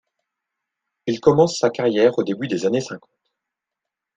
Il commence sa carrière au début des années cinquante.